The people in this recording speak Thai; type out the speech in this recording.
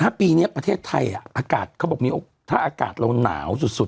ถ้าปีนี้ประเทศไทยอากาศเขาบอกมีถ้าอากาศเราหนาวสุด